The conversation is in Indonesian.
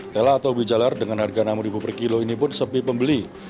tela atau ubi jalar dengan harga rp enam per kilo ini pun sepi pembeli